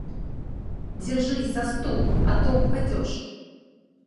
Держись за стул, а то упадешь.